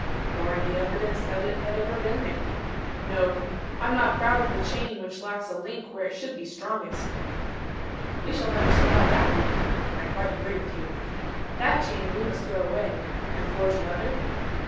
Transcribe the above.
"Nor any evidence that it had ever been there." "No. I'm not proud of the chain which lacks a link where it should be strongest." "We shall never supply that link." "I quite agree with you." "That chain we must throw away." "And forge another?"